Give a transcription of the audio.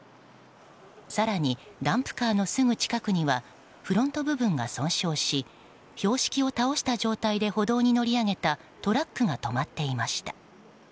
更にダンプカーのすぐ近くにはフロント部分が損傷し標識を倒した状態で歩道に乗り上げたトラックが止まっていました。